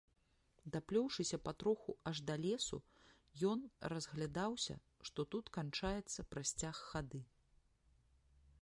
Даплёўшыся патроху аж да лесу, ён разглядаўся, што тут канчаецца прасцяг хады.